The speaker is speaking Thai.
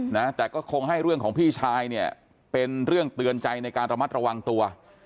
นะแต่ก็คงให้เรื่องของพี่ชายเนี่ยเป็นเรื่องเตือนใจในการระมัดระวังตัว